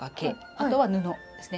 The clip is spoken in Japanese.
あとは布ですね